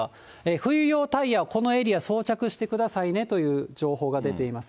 冬用タイヤ、このエリア装着してくださいねという情報が出ています。